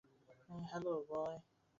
Hello, বয়।